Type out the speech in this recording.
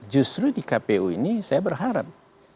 justru di kpu ini saya berharap